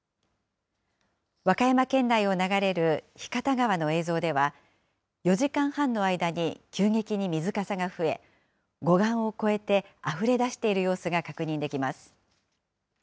和歌山県内を流れる日方川の映像では、４時間半の間に急激に水かさが増え、護岸を越えてあふれ出している様子が確認できます。